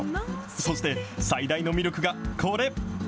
そして、最大の魅力がこれ。